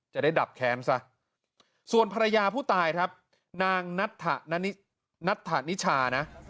จะได้ดับแค้นซะส่วนภรรยาผู้ตายครับนางนัทธานิชานะ